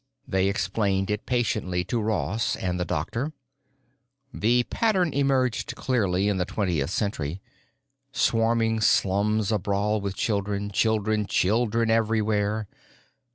They explained it patiently to Ross and the doctor. "The pattern emerged clearly in the twentieth century. Swarming slums abrawl with children, children, children everywhere.